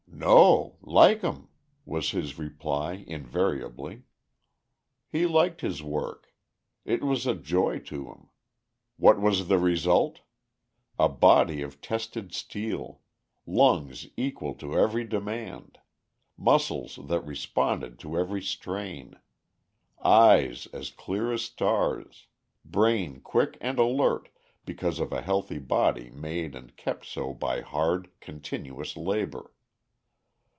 "No; like 'em," was his reply invariably. He liked his work. It was a joy to him. What was the result? A body of tested steel; lungs equal to every demand; muscles that responded to every strain; eyes as clear as stars; brain quick and alert because of a healthy body made and kept so by hard, continuous labor.